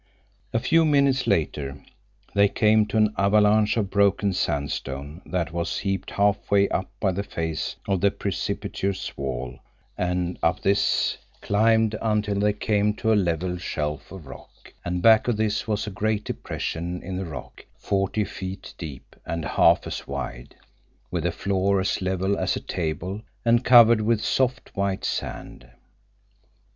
A few minutes later they came to an avalanche of broken sandstone that was heaped half way up the face of the precipitous wall, and up this climbed until they came to a level shelf of rock, and back of this was a great depression in the rock, forty feet deep and half as wide, with a floor as level as a table and covered with soft white sand.